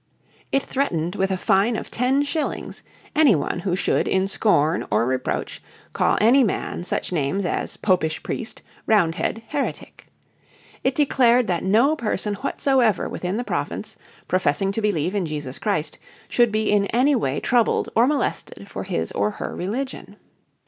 It threatened with a fine of ten shillings any one who should in scorn or reproach call any man such names as popish priest, Roundhead, heretic. It declared that no person whatsoever within the Province professing to believe in Jesus Christ should be in any way troubled or molested for his or her religion.